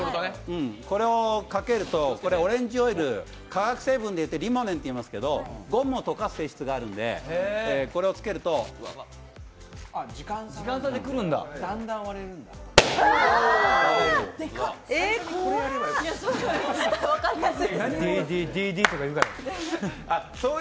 これをかけると、オレンジオイル、化学成分でいうとリモネンっていいますけど、ゴムを溶かす性質があるのでこれをつけると最初にこれやれば怖い！